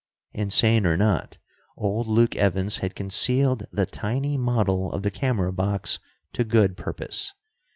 Insane or not, old Luke Evans had concealed the tiny model of the camera box to good purpose.